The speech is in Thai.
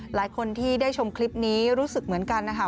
หลายคนที่ได้ชมคลิปนี้รู้สึกเหมือนกันนะคะ